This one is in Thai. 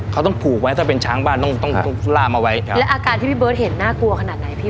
เขาต้องผูกไว้ถ้าเป็นช้างบ้านต้องต้องล่ามเอาไว้ครับแล้วอาการที่พี่เบิร์ตเห็นน่ากลัวขนาดไหนพี่